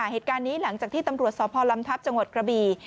เหตุการณ์นี้หลังจากที่ตำรวจสพลำทัพจังหวัดกระบี